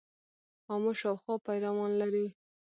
آمو شاوخوا پیروان لري.